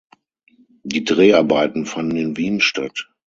Die Dreharbeiten fanden in Wien statt.